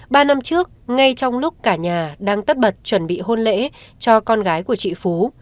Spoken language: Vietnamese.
ba năm trước ngay trong lúc cả nhà đang tất bật chuẩn bị hôn lễ cho con gái của chị phú